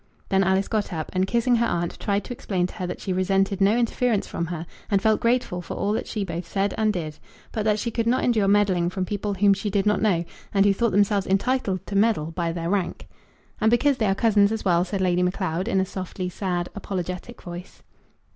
Then Alice got up, and kissing her aunt, tried to explain to her that she resented no interference from her, and felt grateful for all that she both said and did; but that she could not endure meddling from people whom she did not know, and who thought themselves entitled to meddle by their rank. "And because they are cousins as well," said Lady Macleod, in a softly sad, apologetic voice.